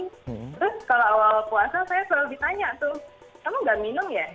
terus kalau awal puasa saya selalu ditanya tuh kamu nggak minum ya